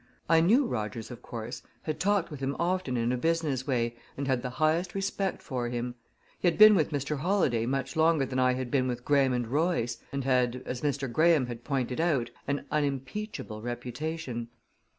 I knew Rogers, of course, had talked with him often in a business way, and had the highest respect for him. He had been with Mr. Holladay much longer than I had been with Graham & Royce, and had, as Mr. Graham had pointed out, an unimpeachable reputation.